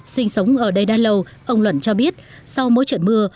sinh sống ở đây đã lâu ông luận cho biết sau mỗi trận mưa